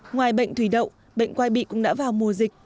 ngoài bệnh thủy đậu bệnh quay bị cũng đã vào mùa dịch